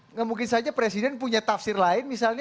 nggak mungkin saja presiden punya tafsir lain misalnya